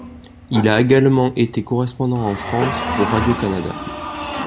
Il a également été correspondant en France pour Radio-Canada.